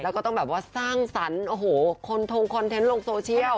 แล้วก็ต้องแบบว่าสร้างสรรค์โอ้โหคนทงคอนเทนต์ลงโซเชียล